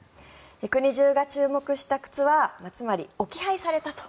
国中が注目した靴はつまり置き配されたと。